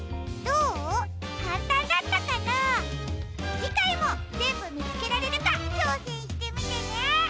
じかいもぜんぶみつけられるかちょうせんしてみてね！